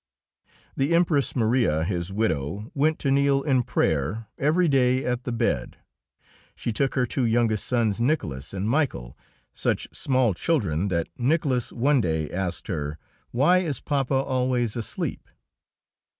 The Empress Maria, his widow, went to kneel in prayer every day at the bed. She took her two youngest sons, Nicholas and Michael, such small children that Nicholas one day asked her, "Why is papa always asleep?"